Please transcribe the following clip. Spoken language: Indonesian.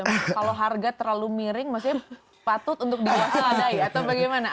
kalau harga terlalu miring maksudnya patut untuk diwaspadai atau bagaimana